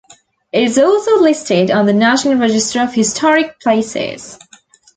It is also listed on the National Register of Historic Places.